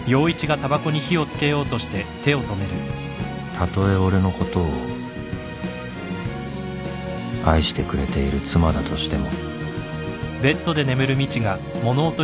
たとえ俺のことを愛してくれている妻だとしても